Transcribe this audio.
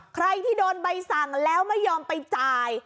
ใครที่โดนใบสั่งแล้วไม่ยอมไปจ่าย